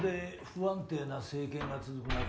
・不安定な政権が続く中。